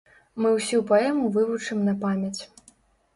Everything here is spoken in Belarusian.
Мы ўсю паэму вывучым на памяць.